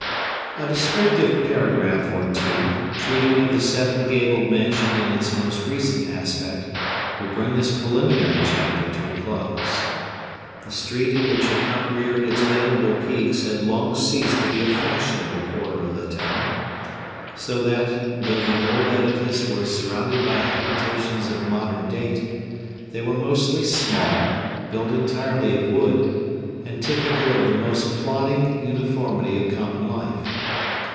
A descriptive paragraph or two, treating of the seven gabled mansion in its more recent aspect, will bring this preliminary chapter to a close. The street in which it upreared its venerable peaks has long ceased to be a fashionable quarter of the town; so that, though the old edifice was surrounded by habitations of modern date, they were mostly small, built entirely of wood, and typical of the most plodding uniformity of common life.